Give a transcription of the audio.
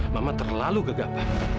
mama terlalu gegap pak